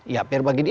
ya pr bagi dia